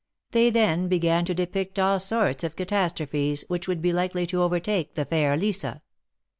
They then began to depict all sorts of catastrophes, which would be likely to overtake the fair Lisa.